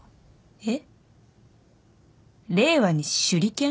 えっ？